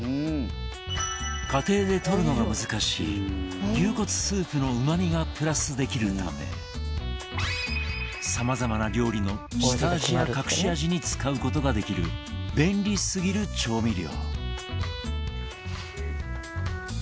家庭でとるのが難しい牛骨スープのうまみがプラスできるため様々な料理の下味や隠し味に使う事ができる便利すぎる調味料